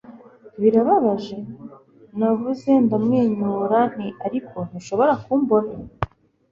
birababaje? navuze ndamwenyura nti ariko ntushobora kumbona